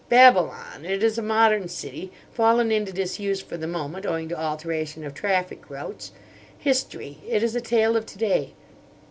Babylon! It is a modern city, fallen into disuse for the moment, owing to alteration of traffic routes. History! it is a tale of to day.